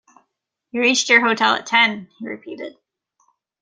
"You reached your hotel at ten," he repeated.